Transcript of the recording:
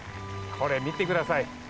これ見てください